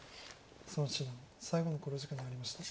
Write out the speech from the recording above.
孫七段最後の考慮時間に入りました。